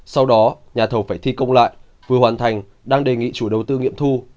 sau đó nhà thầu phải thi công lại vừa hoàn thành đang đề nghị chủ đầu tư nghiệm thu